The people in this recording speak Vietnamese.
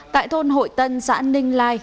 tại thôn hội tân xã ninh lai